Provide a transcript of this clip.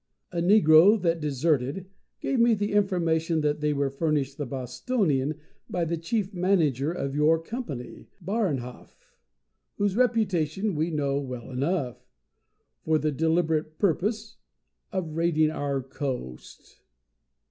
A negro that deserted gave the information that they were furnished the Bostonian by the chief manager of your Company Baranhov whose reputation we know well enough! for the deliberate purpose of raiding our coast."